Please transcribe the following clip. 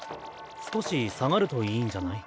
少し下がるといいんじゃない？